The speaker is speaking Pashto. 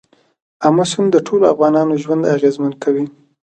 آمو سیند د ټولو افغانانو ژوند اغېزمن کوي.